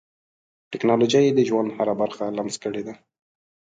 ټکنالوجي د ژوند هره برخه لمس کړې ده.